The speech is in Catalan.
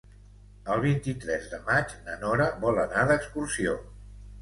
El vint-i-tres de maig na Nora vol anar d'excursió.